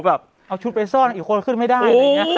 เอาชุดไปซ่อนอีกคนขึ้นไม่ได้